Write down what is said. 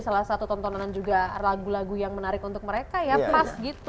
salah satu tontonan juga lagu lagu yang menarik untuk mereka ya kita bisa di pungkirkan allah